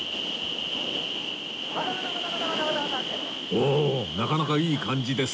おおなかなかいい感じです